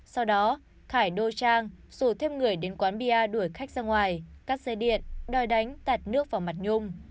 sau đó khải đô trang rủ thêm người đến quán bi đuổi khách ra ngoài cắt xe điện đòi đánh tạt nước vào mặt nhung